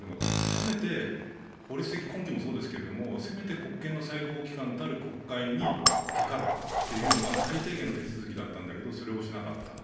せめて、法律的根拠もそうですけどせめて法律の最高決定機関である国会に諮るというのが最低限の手続きだったんだけどそれをしなかった。